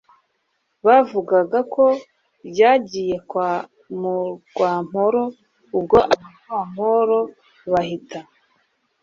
bavugaga ko ryagiye kwa mugwamporo. ubwo abagwamporo bagahita